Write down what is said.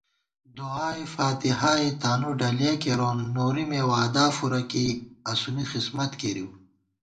دُعا فاتِحائےتانُو ڈَلِیَہ کېرون، نوری مےوعدا فُورہ کېئی اسُونی خِسمت کېرِؤ